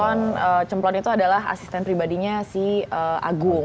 konon cemplon itu adalah asisten pribadinya si agung